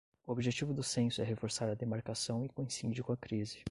O objetivo do censo é reforçar a demarcação e coincide com a crise